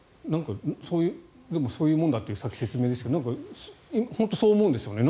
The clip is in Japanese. そういうものだという説明でしたがなんか本当にそう思うんですよね